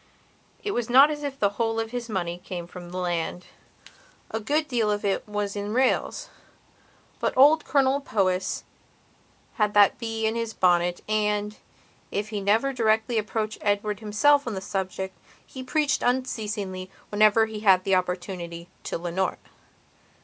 It was not as if the whole of his money came from the land; a good deal of it was in rails. But old Colonel Powys had that bee in his bonnet and, if he never directly approached Edward himself on the subject, he preached unceasingly, whenever he had the opportunity, to Leonora.